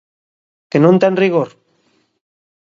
¿Que non ten rigor?